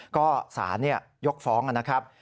ก็สารยกฟ้องนะครับ